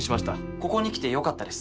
ここに来てよかったです。